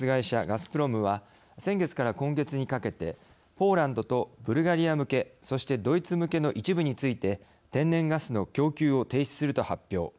ガスプロムは先月から今月にかけてポーランドとブルガリア向けそしてドイツ向けの一部について天然ガスの供給を停止すると発表。